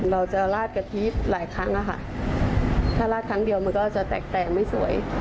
เราจะลาดกะทิหลายครั้งอะค่ะถ้าลาดครั้งเดียวมันก็จะแตกแต่งไม่สวย